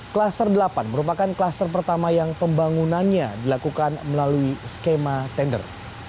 kluster delapan merupakan klaster pertama yang pembangunannya dilakukan melalui skema tender